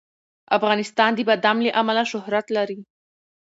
افغانستان د بادام له امله شهرت لري.